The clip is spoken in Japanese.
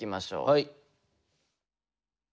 はい。